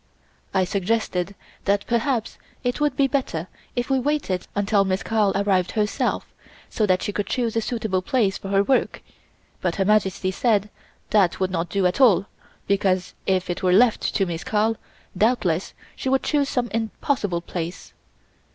I suggested that perhaps it would be better if we waited until Miss Carl arrived herself, so that she could choose a suitable place for her work, but Her Majesty said that would not do at all, because if it were left to Miss Carl, doubtless she would choose some impossible place.